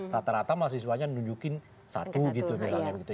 rata rata mahasiswanya nunjukin satu gitu misalnya